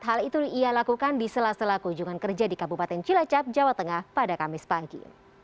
hal itu ia lakukan di sela sela keujungan kerja di kabupaten cilacap jawa tengah pada kamis pagi